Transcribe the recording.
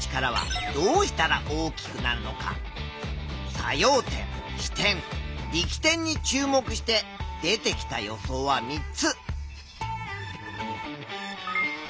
作用点支点力点に注目して出てきた予想は３つ。